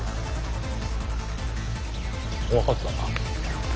分かった。